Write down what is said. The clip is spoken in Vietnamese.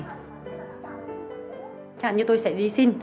chẳng hạn như tôi sẽ đi xin